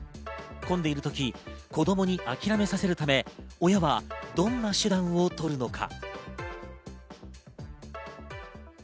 混んでいる時、子供に諦めさせるため、親はどんな手段をとるのか。